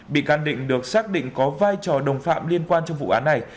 bị can định được xác định có vai trò đồng phạm liên quan trong vụ án này